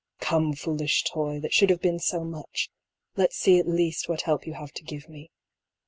Come, foolish toy, that should have been so much, let's see at least what help you have to give me.